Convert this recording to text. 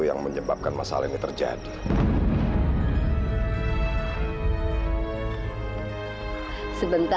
kamu lihat sekarang tasya disana